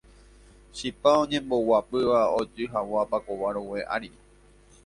chipa oñemboguapýva ojy hag̃ua pakova rogue ári.